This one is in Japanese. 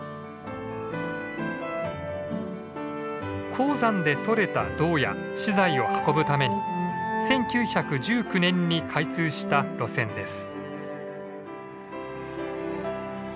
鉱山で採れた銅や資材を運ぶために１９１９年に開通した路線です。